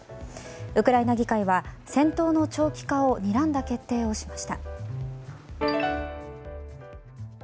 ウクライナ議会は戦闘の長期化をにらんだ決定をしました。